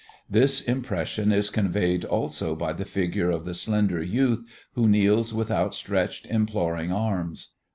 This impression is conveyed also by the figure of the slender youth who kneels with outstretched, imploring arms.